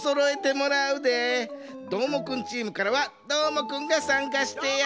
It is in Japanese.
どーもくんチームからはどーもくんがさんかしてや。